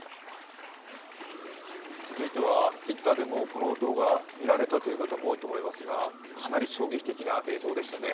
続いてはＴｗｉｔｔｅｒでもうこの動画、見られたという方も多いと思いますがかなり衝撃的な映像でしたね。